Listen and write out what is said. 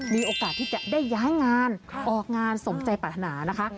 มีโอกาสที่จะได้ย้ายงานออกงานสมใจปรารถนานะคะ